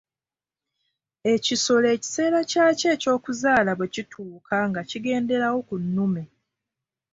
Ekisolo ekiseera kyakyo eky'okuzaala bwe kituuka nga kigenderawo ku nnume.